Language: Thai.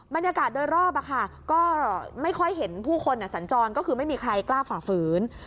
บรรยากาศโดยรอบก็ไม่ค่อยเห็นผู้คนสัญจรก็คือไม่มีใครกล้าฝ่าฝืน